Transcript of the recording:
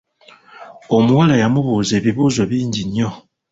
Omuwala yambuuza ebibuuzo bingi nnyo.